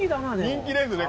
人気ですね。